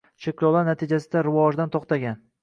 – cheklovlar natijasida rivojdan to‘xtagan